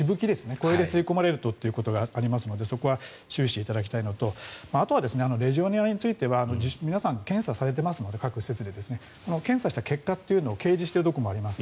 これで吸い込まれるとということがありますのでそこは注意していただいたいのとあとはレジオネラについては皆さん各施設で検査されていますので検査した結果というのを掲示しているところがあります。